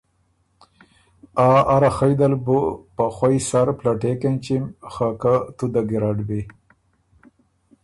”آ اره خئ دل بُو په خوئ سر پلټېک اېنچِم خه که تُو ده ګیرډ بی“